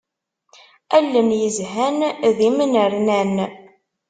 Allen yezhan d imnernan.